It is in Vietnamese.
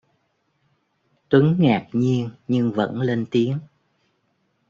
Tuấn ngạc nhiên nhưng vẫn lên tiếng